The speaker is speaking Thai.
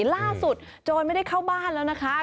ล่าสุดจนไม่ได้เข้าบ้านแล้วนะคะ